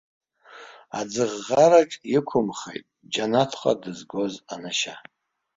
Аӡыӷӷараҿ иқәымхеит џьанаҭҟа дырызго анышьа.